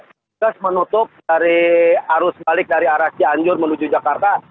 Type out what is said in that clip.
petugas menutup dari arus balik dari arah cianjur menuju jakarta